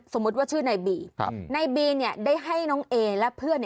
สมมุติว่าชื่อนายบีนายบีได้ให้น้องเอและเพื่อน